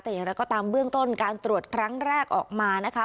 และก็ตามเบื้องต้นการตรวจครั้งแรกออกมานะคะ